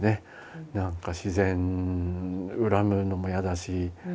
何か自然を恨むのも嫌だし。